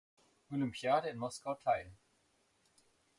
Olympiade in Moskau teil.